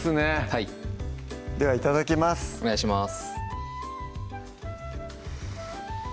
はいではいただきますお願いします